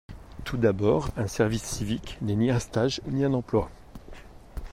Tout d’abord, un service civique n’est ni un stage ni un emploi.